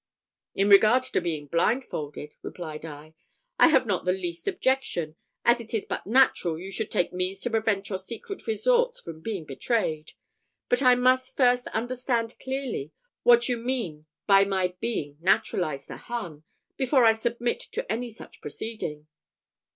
"In regard to being blindfolded," replied I, "I have not the least objection, as it is but natural you should take means to prevent your secret resorts from being betrayed; but I must first understand clearly what you mean by my being naturalised a Hun, before I submit to any such proceeding."